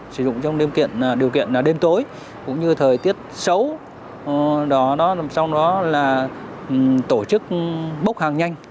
sử dụng trong điều kiện đêm tối cũng như thời tiết xấu sau đó là tổ chức bốc hàng nhanh